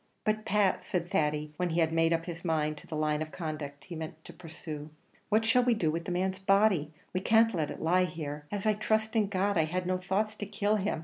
"But, Pat," said Thady, when he had made up his mind to the line of conduct he meant to pursue, "what shall we do with the man's body? We can't let it lie here. As I trust in God, I had no thoughts to kill him!